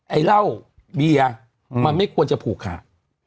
ไอ้เหล้าเบียร์มันไม่ควรจะผูกขาด